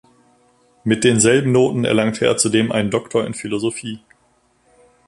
Mit denselben Noten erlangte er zudem einen Doktor in Philosophie.